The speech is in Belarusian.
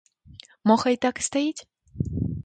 Мо хай так і стаіць?